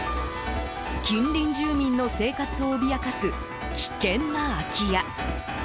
近隣住民の生活を脅かす危険な空き家。